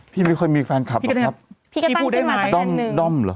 พี่ไม่ค่อยมีแฟนคับหรอกครับ